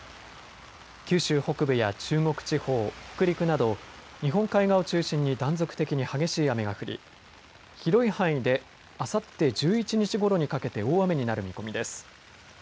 九州北部や中国地方、北陸など、日本海側を中心に断続的に激しい雨が降り、広い範囲で、あさって１１日ごろにかけて、大雨になる見込みです。